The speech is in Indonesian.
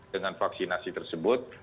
dengan vaksinasi tersebut